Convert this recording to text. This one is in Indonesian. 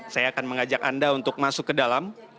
saya akan mengajak anda untuk masuk ke dalam